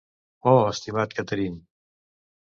Oh, estimat Catherine!